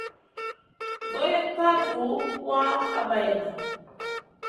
Boyen ka duh wa habayna.